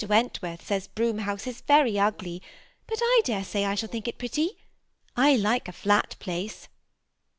Wentworth says Broom House ia very ugly, but I dare say I shall think it pretty. I like a flat place."